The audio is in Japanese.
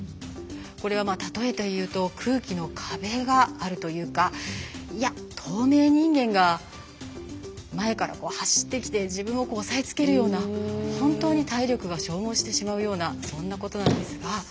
これは例えて言うと空気の壁があるというか透明人間が前から走ってきて自分を押さえつけるような本当に体力が消耗してしまうようなそんなことなんです。